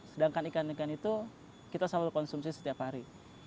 sedangkan ikan ikan itu kita selalu konsumsi setiap hari